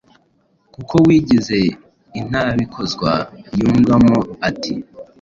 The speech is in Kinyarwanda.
koko wigize intabikozwa!” Yungamo, ati: